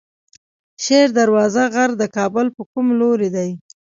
شیر دروازه غر د کابل په کوم لوري دی؟